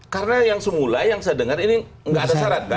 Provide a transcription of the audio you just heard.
karena yang semula yang saya dengar ini nggak ada syarat kan